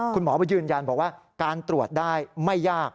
คุณหมอยืนยันบอกว่าการตรวจได้ไม่ยาก